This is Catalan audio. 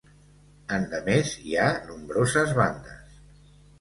Endemés, hi ha nombroses bandes.